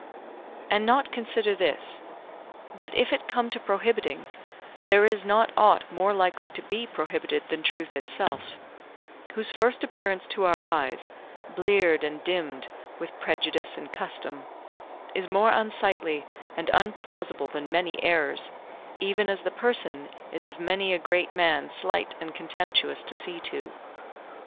and not consider this, that if it come to prohibiting, there is not aught more likely to be prohibited than truth itself; whose first appearance to our eyes, bleared and dimmed with prejudice and custom, is more unsightly and unplausible than many errors, even as the person is of many a great man slight and contemptuous to see to.